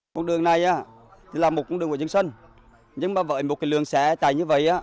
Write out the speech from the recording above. một đường này là một đường của trường sân nhưng với một cái lường xe tải như vậy